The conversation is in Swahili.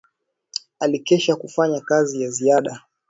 Alikesha akifanya kazi ya ziada